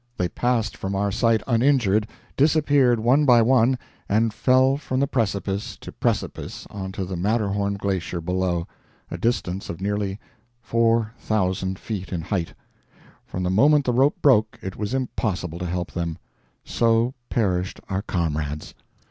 They passed from our sight uninjured, disappeared one by one, and fell from the precipice to precipice onto the Matterhorn glacier below, a distance of nearly four thousand feet in height. From the moment the rope broke it was impossible to help them. So perished our comrades!